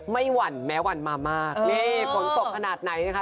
ไม่หวั่นแม้หวั่นมามาฟังตกขนาดไหนนะคะ